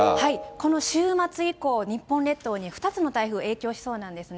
この週末以降、日本列島に２つの台風、影響しそうなんですね。